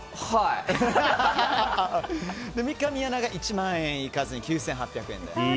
三上アナが１万円いかずに９８００円で。